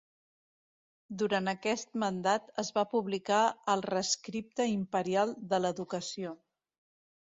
Durant aquest mandat es va publicar el Rescripte Imperial de l'Educació.